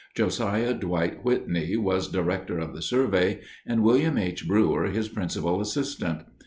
Josiah Dwight Whitney was director of the survey, and William H. Brewer, his principal assistant.